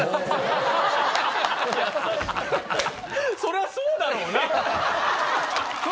そりゃそうだろう。